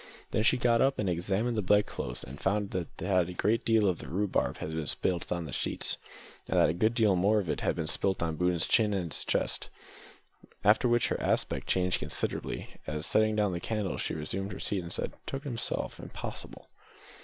Then she got up and examined the bedclothes, and found that a good deal of the rhubarb had been spilt on the sheets, and that a good deal more of it had been spilt on Boone's chin and chest; after which her aspect changed considerably, as, setting down the candle, she resumed her seat and said "Took it himself! Impossible!"